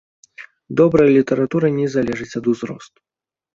Добрая літаратура не залежыць ад узросту.